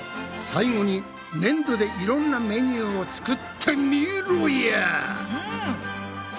最後にねんどでいろんなメニューを作ってみろや！